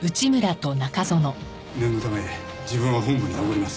念のため自分は本部に残ります。